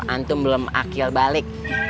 antum belum akil balik